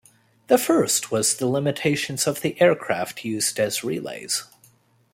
The first was the limitations of the aircraft used as relays.